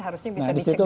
harusnya bisa dicegah